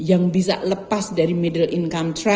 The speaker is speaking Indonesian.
yang bisa lepas dari middle income track